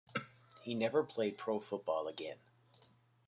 He never played pro football again.